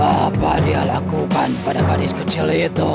apa dia lakukan pada gadis kecil itu